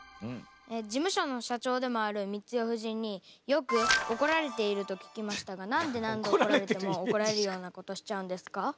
事務所の社長でもある光代夫人によくおこられていると聞きましたが何で何度おこられてもおこられるようなことしちゃうんですか？